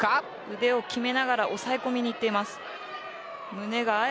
腕を極めながら抑え込みにいっています。